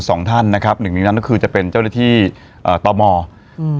สองท่านนะครับหนึ่งในนั้นก็คือจะเป็นเจ้าหน้าที่เอ่อต่อมออืม